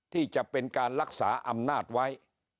ที่จะเป็นการรักษาอำนาจไว้